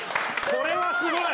これはすごい。